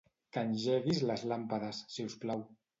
Que engeguis les làmpades, si us plau.